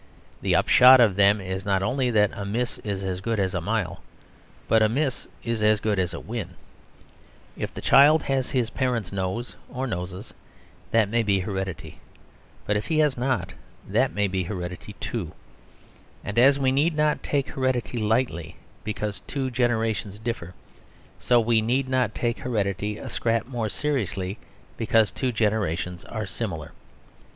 The upshot of them is not only that a miss is as good as a mile, but a miss is as good as a win. If the child has his parents' nose (or noses) that may be heredity. But if he has not, that may be heredity too. And as we need not take heredity lightly because two generations differ so we need not take heredity a scrap more seriously because two generations are similar.